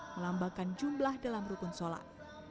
melambangkan jumlah dalam rukun sholat